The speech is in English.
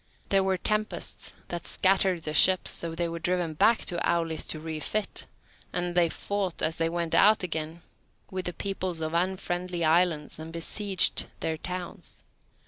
There were tempests that scattered the ships, so they were driven back to Aulis to refit; and they fought, as they went out again, with the peoples of unfriendly islands, and besieged their towns.